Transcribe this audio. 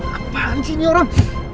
apaan sih ini orang